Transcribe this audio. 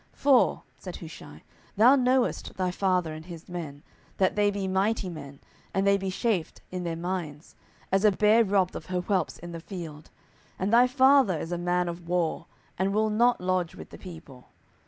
10:017:008 For, said Hushai, thou knowest thy father and his men, that they be mighty men, and they be chafed in their minds, as a bear robbed of her whelps in the field: and thy father is a man of war, and will not lodge with the people.